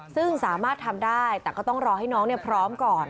ซึ่งสามารถทำได้แต่ก็ต้องรอให้น้องพร้อมก่อน